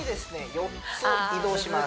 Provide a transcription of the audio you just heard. ４つ移動します